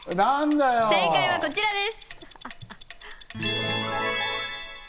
正解は、こちらです。